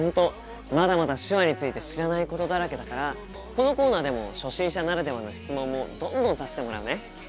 まだまだ手話について知らないことだらけだからこのコーナーでも初心者ならではの質問もどんどんさせてもらうね。